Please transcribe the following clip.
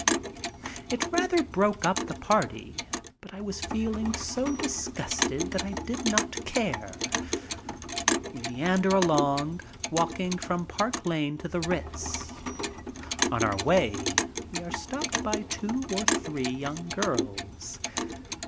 It rather broke up the party, but I was feeling so dis gusted that I did not care. We meander along, walking from Park Lane to the Ritz. On our way we are stopped by two or three young girls.